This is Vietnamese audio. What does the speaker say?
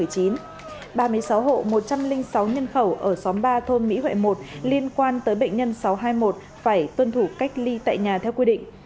ba mươi sáu hộ một trăm linh sáu nhân khẩu ở xóm ba thôn mỹ huệ một liên quan tới bệnh nhân sáu trăm hai mươi một phải tuân thủ cách ly tại nhà theo quy định